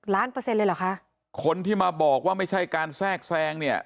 เปอร์เซ็นต์เลยเหรอคะคนที่มาบอกว่าไม่ใช่การแทรกแทรงเนี่ย